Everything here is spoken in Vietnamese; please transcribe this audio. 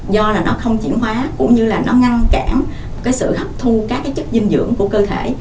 do là nó không triển hóa cũng như là nó ngăn cản sự hấp thụ các chất dinh dưỡng của cơ thể